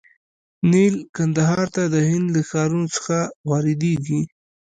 نیل کندهار ته د هند له ښارونو څخه واردیږي.